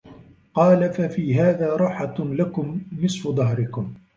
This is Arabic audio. قَالَ فَفِي هَذَا رَاحَةٌ لَكُمْ نِصْفُ دَهْرِكُمْ